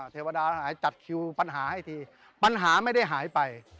เทวดาหายจัดคิวปัญหาให้ทีปัญหาไม่ได้หายไป